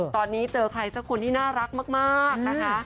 ตอนนี้เจอใครสักคนที่น่ารักมากนะคะ